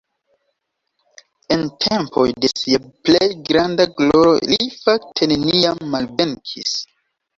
En tempoj de sia plej granda gloro li fakte neniam malvenkis.